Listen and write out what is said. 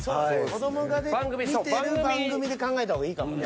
子どもがね見てる番組で考えた方がいいかもね。